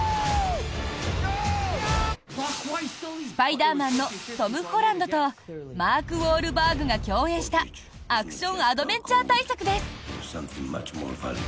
「スパイダーマン」のトム・ホランドとマーク・ウォールバーグが共演したアクションアドベンチャー大作です。